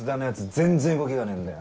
全然動きがねえんだよ。